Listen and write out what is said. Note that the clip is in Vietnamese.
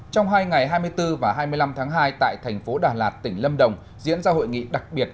trong hai ngày hai mươi bốn và hai mươi năm tháng hai tại thành phố đà lạt tỉnh lâm đồng diễn ra hội nghị đặc biệt